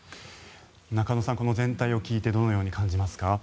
中野さん、この全体を聞いてどのように感じますか？